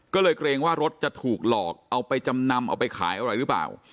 ก็เลยเกรงว่ารถจะถูกหลอกเอาไปจำนำเอาไปขายอะไรหรือเปล่า